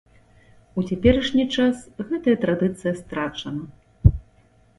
У цяперашні час гэтая традыцыя страчана.